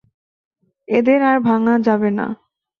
এদের আর ভাঙা যাবে না।